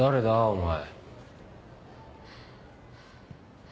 お前。